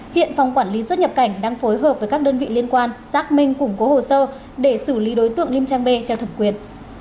hiện phòng quản lý xuất nhập cảnh đang phối hợp với các đơn vị liên quan xác minh củng cố hồ sơ để xử lý đối tượng liêm trang b theo thẩm quyền